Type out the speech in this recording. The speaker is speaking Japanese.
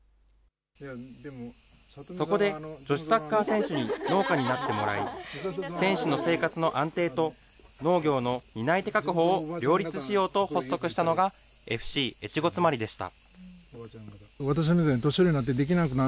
そこで女子サッカー選手に農家になってもらい、選手の生活の安定と、農業の担い手確保を両立しようと発足したのが、ＦＣ越後妻有でした。